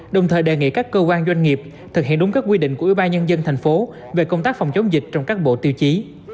đồng thời đề nghị các cơ quan doanh nghiệp thực hiện đúng các quy định của ủy ban nhân dân thành phố về công tác phòng chống dịch trong các bộ tiêu chí